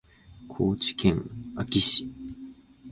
高知県安芸市